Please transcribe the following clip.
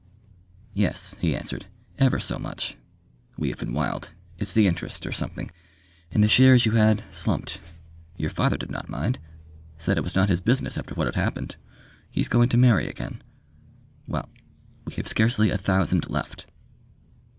"Yes," he answered. "Ever so much. We have been wild. It's the interest. Or something. And the shares you had, slumped. Your father did not mind. Said it was not his business, after what had happened. He's going to marry again.... Well we have scarcely a thousand left!"